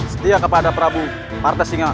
setia kepada prabu partai singa